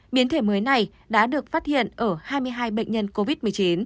biến thể mới này đã được phát hiện ở hai mươi hai bệnh nhân covid một mươi chín